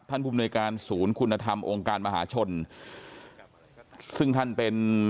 ท่านผู้บุญการศูนย์คุณธรรมองค์การมหาชนซึ่งท่านเป็น